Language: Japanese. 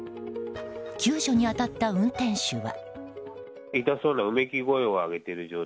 救助に当たった運転手は。